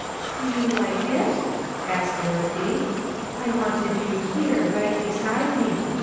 '' Do you like it ?" asked Dorothy. '' I wanted you here, right beside me.